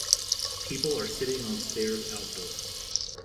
People are sitting on stairs outdoors